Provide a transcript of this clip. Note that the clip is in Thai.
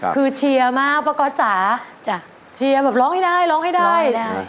คือเชียร์มากป้าก๊อตจ๋าเชียร์แบบร้องให้ได้ร้องให้ได้ร้องให้ได้